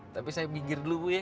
tapi saya mikir dulu bu ya